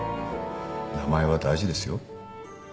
名前は大事ですよ。